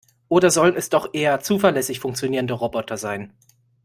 Oder sollen es doch eher zuverlässig funktionierende Roboter sein?